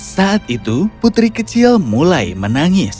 saat itu putri kecil mulai menangis